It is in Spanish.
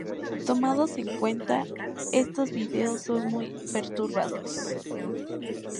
Tomados en cuenta estos videos son muy perturbadores.